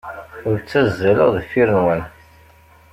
Ur ttazzaleɣ deffir-nwen.